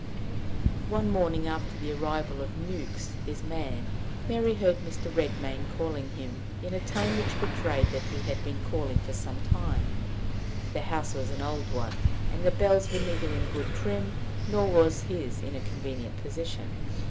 One morning, after the arrival of Mewks, his man, Mary heard Mr. Redmain calling him in a tone which betrayed that he had been calling for some time: the house was an old one, and the bells were neither in good trim, nor was his in a convenient position.